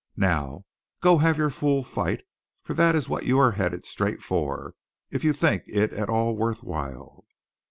Now go have your fool fight for that is what you are headed straight for if you think it at all worth while."